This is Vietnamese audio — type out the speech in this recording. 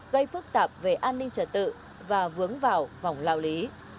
gây phức tạp về an ninh trật tự và vướng vào vòng lao lý